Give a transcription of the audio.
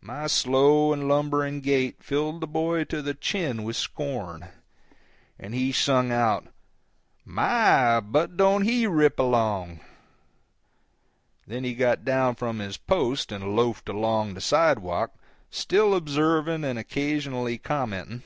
My slow and lumbering gait filled the boy to the chin with scorn, and he sung out, "My, but don't he rip along!" Then he got down from his post and loafed along the sidewalk, still observing and occasionally commenting.